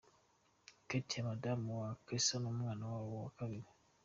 Katia Madamu wa Cassa numwana wabo wa kabiri.